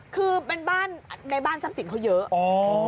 คือเป็นบ้านในบ้านซับสิ่งเยอะ